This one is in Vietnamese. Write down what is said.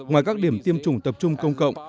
ngoài các điểm tiêm chủng tập trung công cộng